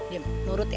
diam nurut ya